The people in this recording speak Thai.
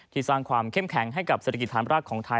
ที่สร้างความเข้มแข็งให้กับศิลปิศาสตร์ธรรมราชของไทย